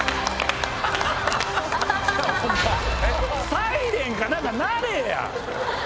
サイレンか何か鳴れや！